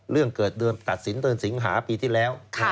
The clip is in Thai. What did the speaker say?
เรื่องเติดตัดสินเตินสิงหาปีที่แล้ว